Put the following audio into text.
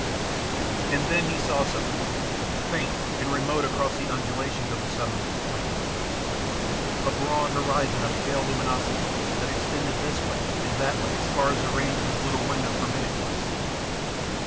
And then he saw something faint and remote across the undulations of the submarine plain, a broad horizon of pale luminosity that extended this way and that way as far as the range of his little window permitted him to see.